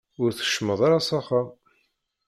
Ur tkeččmeḍ ara s axxam?